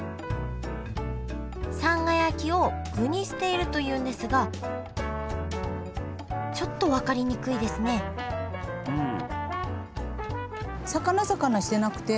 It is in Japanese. さんが焼きを具にしているというんですがちょっと分かりにくいですねうん。